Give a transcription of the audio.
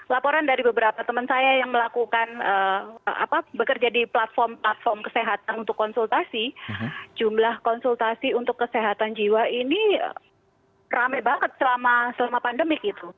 laporan dari beberapa teman saya yang melakukan bekerja di platform platform kesehatan untuk konsultasi jumlah konsultasi untuk kesehatan jiwa ini rame banget selama pandemik gitu